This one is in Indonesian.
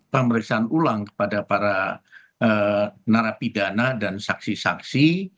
pemeriksaan ulang kepada para narapidana dan saksi saksi